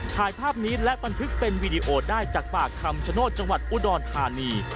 ถ่ายภาพนี้และบันทึกเป็นวีดีโอได้จากปากคำชโนธจังหวัดอุดรธานี